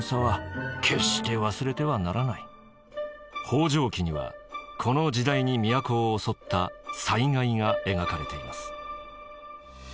「方丈記」にはこの時代に都を襲った災害が描かれています。